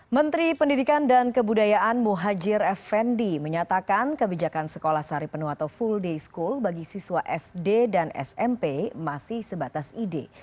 menteri pendidikan dan kebudayaan muhajir effendi menyatakan kebijakan sekolah sari penuh atau full day school bagi siswa sd dan smp masih sebatas ide